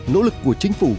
nỗ lực của chính phủ